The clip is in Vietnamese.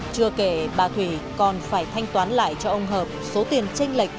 chưa kể bà thủy còn phải thanh toán lại cho ông hợp số tiền tranh lệch